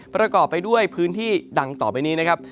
ประกอบไปด้วยพื้นที่ดังต่อไปนี้นะครับ